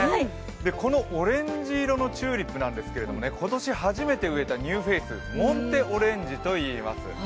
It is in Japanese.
このオレンジ色のチューリップなんですけど今年初めて植えたニューフェイスモンテオレンジといいます。